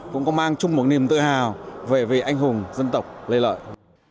cũng có mang chung một niềm tự hào về anh hùng dân tộc lê lợi